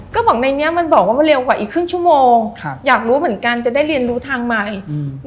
ก็บอกในเนี้ยมันบอกว่ามันเร็วกว่าอีกครึ่งชั่วโมงครับอยากรู้เหมือนกันจะได้เรียนรู้ทางใหม่อืม